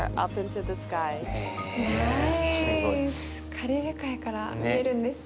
カリブ海から見えるんですね。